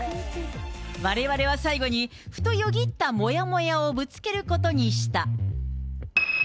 われわれは最後にふとよぎったもやもやをぶつけることにした。